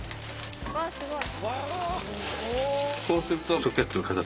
すごい。